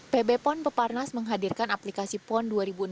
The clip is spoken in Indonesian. pb pon peparnas menghadirkan aplikasi pon dua ribu enam belas